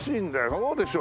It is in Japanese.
そうでしょ。